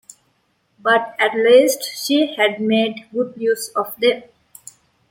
But at least she had made good use of them.